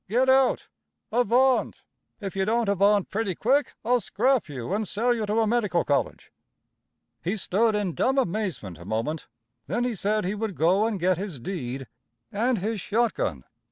Get out! Avaunt! If you don't avaunt pretty quick I'll scrap you and sell you to a medical college." He stood in dumb amazement a moment, then he said he would go and get his deed and his shotgun.